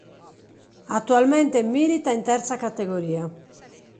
Attualmente milita in Terza Categoria.